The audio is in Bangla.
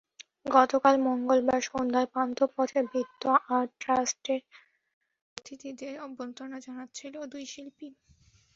গতকাল মঙ্গলবার সন্ধ্যায় পান্থপথের বৃত্ত আর্ট ট্রাস্টে অতিথিদের অভ্যর্থনা জানাচ্ছিলেন দুই শিল্পী।